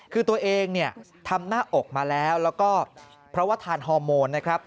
คือตัวเองเนี่ยทำหน้าอกมาแล้วแล้วก็เพราะว่าทานฮอร์โมนนะครับ